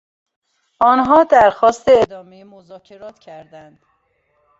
آنها درخواست ادامهی مذاکرات کردند.